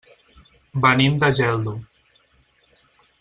Venim de Geldo.